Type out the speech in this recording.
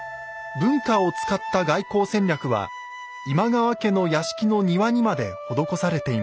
文化を使った外交戦略は今川家の屋敷の庭にまで施されていました。